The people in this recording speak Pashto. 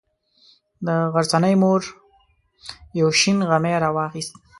د غرڅنۍ مور یو شین غمی راواخیست.